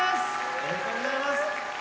おめでとうございます。